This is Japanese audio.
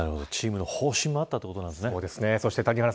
チームの方針もあったということなんですね。